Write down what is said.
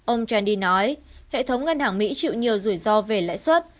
ông chandi nói hệ thống ngân hàng mỹ chịu nhiều rủi ro về lãi suất